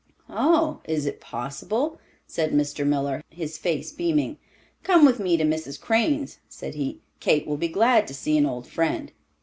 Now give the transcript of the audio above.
"Ah, is it possible?" said Mr. Miller, his face beaming. "Come with me to Mrs. Crane's," said he. "Kate will be glad to see an old friend."